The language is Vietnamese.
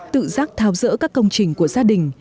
tự giác tháo rỡ các công trình của gia đình